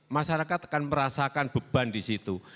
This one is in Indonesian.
masyarakat akan merasakan beban di situ